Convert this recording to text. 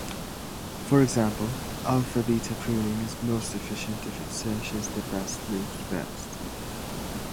For example, alpha-beta pruning is most efficient if it searches the best moves first.